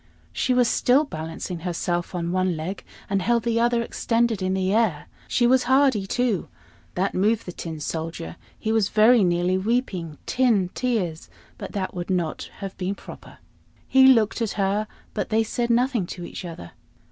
She was still balancing herself on one leg, and held the other extended in the air. She was hardy too. That moved the Tin Soldier; he was very nearly weeping tin tears, but that would not have been proper. He looked at her, but they said nothing to each other.